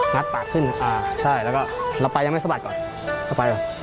ปากขึ้นอ่าใช่แล้วก็เราไปยังไม่สะบัดก่อนเราไปก่อน